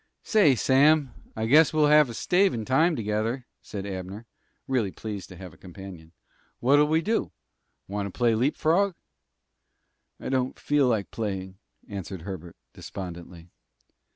"Say, Sam, I guess we'll have a stavin' time together," said Abner, really pleased to have a companion. "What'll we do? Want to play leapfrog?" "I don't feel like playing," answered Herbert, despondently.